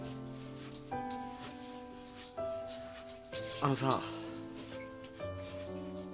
あのさ。